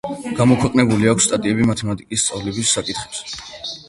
გამოქვეყნებული აქვს სტატიები მათემატიკის სწავლების საკითხებზე.